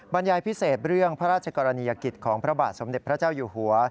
บรรยายพิเศษเรื่องพระราชกรณียกิจของพระบาทสมเด็จพระเจ้าอยู่หัว